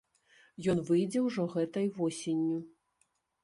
Ён выйдзе ўжо гэтай восенню.